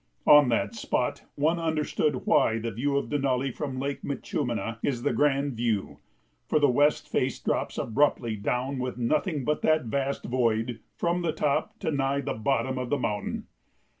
On that spot one understood why the view of Denali from Lake Minchúmina is the grand view, for the west face drops abruptly down with nothing but that vast void from the top to nigh the bottom of the mountain.